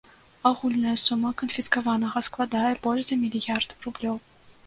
Агульная сума канфіскаванага складае больш за мільярд рублёў.